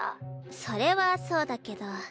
それはそうだけど。